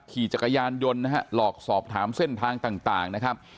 ขี่จักรยานยนต์นะฮะหลอกสอบถามเส้นทางต่างนะครับ